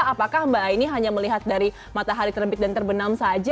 apakah mbak aini hanya melihat dari matahari terbit dan terbenam saja